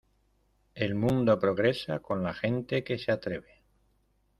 El mundo progresa con la gente que se atreve.